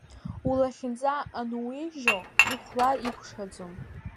Улахьынҵа ануеижьо, ихәлар иуқәшаӡом.